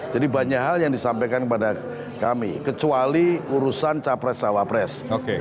jadi banyak hal yang disampaikan kepada kami kecuali urusan capres cawapres